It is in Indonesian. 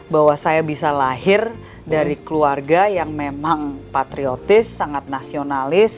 bahwa saya bisa lahir dari keluarga yang memang patriotis sangat nasionalis